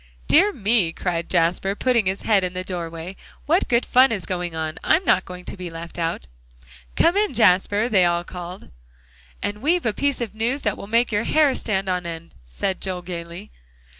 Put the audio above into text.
"Dear me!" cried Jasper, putting his head in the doorway, "what good fun is going on? I'm not going to be left out." "Come in, Jasper," they all called. "And we've a piece of news that will make your hair stand on end," said Joel gaily.